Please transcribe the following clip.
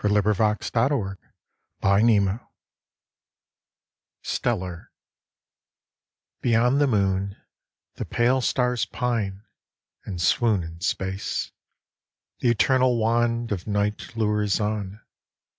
IN THE NET OF THE STARS Stellar BEYOND the moon the pale stars pine, And swoon in space. The eternal wand Of night lures on.